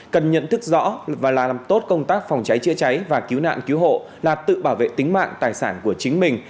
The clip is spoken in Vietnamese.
cần nhận thức rõ và là làm tốt công tác phòng cháy chữa cháy và cứu nạn cứu hộ là tự bảo vệ tính mạng tài sản của chính mình